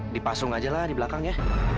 dipasung aja lah di belakang ya